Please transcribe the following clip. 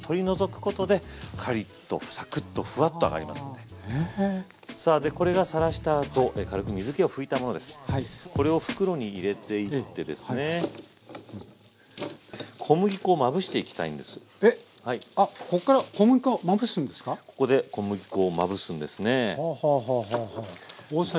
ここで小麦粉をまぶすんですね。